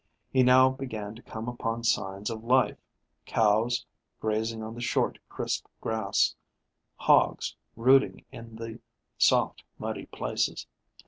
He now began to come upon signs of life: cows grazing on the short, crisp grass; hogs rooting in the soft, muddy places.